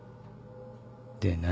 で何？